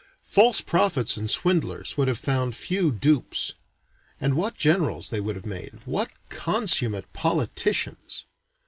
False prophets and swindlers would have found few dupes. And what generals they would have made! what consummate politicians!